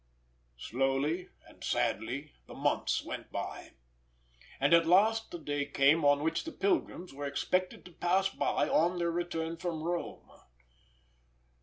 Slowly and sadly the months went by; and at last the day came on which the pilgrims were expected to pass by on their return from Rome.